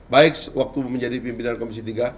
baik waktu menjadi pimpinan komisi tiga